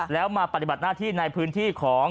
แล้วมาปฏิบัติหน้าที่ในพื้นที่ของ